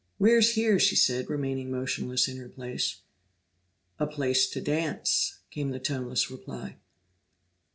"Where's here?" she said, remaining motionless in her place. "A place to dance," came the toneless reply.